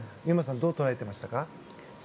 優真さんどう捉えていましたか。